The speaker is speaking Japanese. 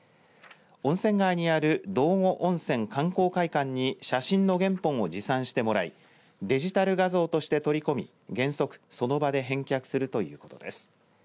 温泉街にある道後温泉観光会館に写真の原本を持参してもらいデジタル画像として取り込み原則、その場で返却するということです。